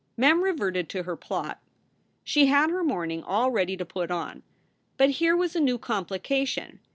Mem reverted to her plot. She had her mourning all ready to put on. But here was a new complication.